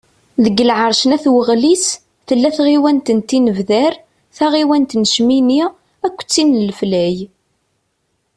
Deg lεerc n At Waɣlis, tella tɣiwant n Tinebdar, taɣiwant n Cmini, akked tin n Leflay.